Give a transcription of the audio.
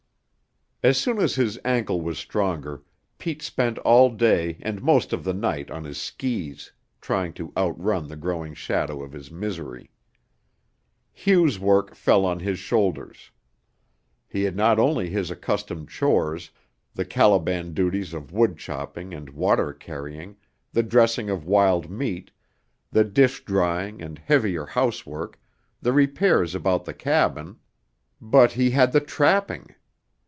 As soon as his ankle was stronger, Pete spent all day and most of the night on his skis, trying to outrun the growing shadow of his misery. Hugh's work fell on his shoulders. He had not only his accustomed chores, the Caliban duties of woodchopping and water carrying, the dressing of wild meat, the dish drying and heavier housework, the repairs about the cabin but he had the trapping.